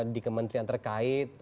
di kementerian terkait